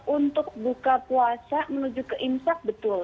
untuk buka puasa menuju ke imsak betul